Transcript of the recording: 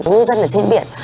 ngư dân ở trên biển